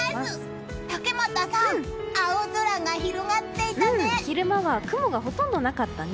竹俣さん、青空が広がっていたね。